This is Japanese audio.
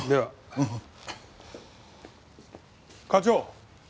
課長。